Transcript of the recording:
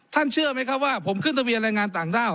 เชื่อไหมครับว่าผมขึ้นทะเบียนแรงงานต่างด้าว